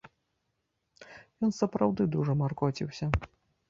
Ён сапраўды дужа маркоціўся.